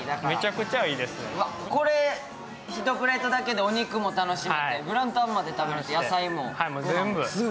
これ、１プレートだけでお肉も楽しめてグラタンまで、更に野菜も。